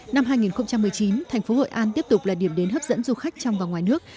năm hai nghìn một mươi chín thành phố hội an tiếp tục là điểm đến hấp dẫn du khách trong và ngoài nước